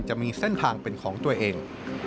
จะมีเส้นทางเป็นของตัวเอง